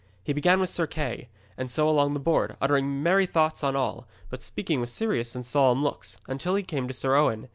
He began with Sir Kay, and so along the board, uttering merry thoughts on all, but speaking with serious and solemn looks, until he came to Sir Owen.